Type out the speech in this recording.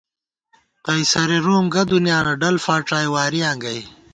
قَیصرےرُوم گہ دُنیانہ، ڈل فاڄائی وارِیاں گئ